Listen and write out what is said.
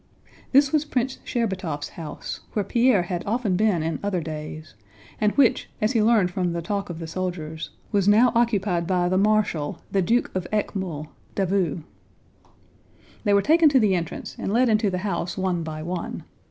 This was Prince Shcherbátov's house, where Pierre had often been in other days, and which, as he learned from the talk of the soldiers, was now occupied by the marshal, the Duke of Eckmühl (Davout). They were taken to the entrance and led into the house one by one.